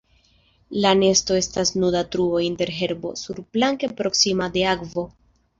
La nesto estas nuda truo inter herbo surplanke proksima de akvo.